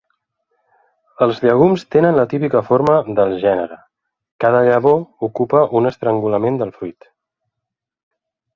Els llegums tenen la típica forma del gènere: cada llavor ocupa un estrangulament del fruit.